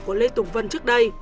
của lê tùng vân trước đây